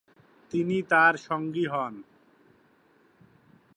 তিনি তার সঙ্গী হন।